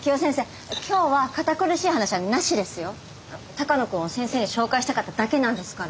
鷹野君を先生に紹介したかっただけなんですから。